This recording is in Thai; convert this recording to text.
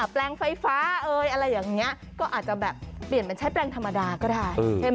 แปลงไฟฟ้าเอ่ยอะไรอย่างนี้ก็อาจจะแบบเปลี่ยนเป็นใช้แปลงธรรมดาก็ได้ใช่ไหม